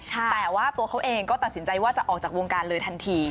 แต่ว่าตัวเขาเองก็ตัดสินใจว่าจะออกจากวงการเลยทันที